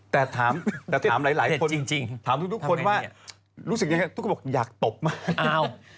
แต่ถามหลายคนถามทุกคนว่ารู้สึกยังไงทุกคนบอกอยากตบมาก